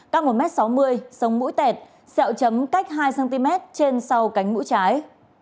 cao một m sáu mươi sống mũi tẹt sẹo chấm cách hai cm trên sau cánh mũi trái